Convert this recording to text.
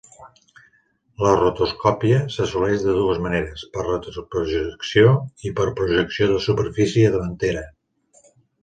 La rotoscòpia s'assoleix de dues maneres, per retroprojecció i per projecció de superfície davantera.